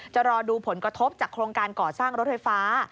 จะรอดูผลกระทบจากโครงการก่อสร้างรถไฟฟ้า